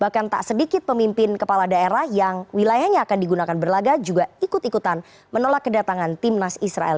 bahkan tak sedikit pemimpin kepala daerah yang wilayahnya akan digunakan berlaga juga ikut ikutan menolak kedatangan timnas israel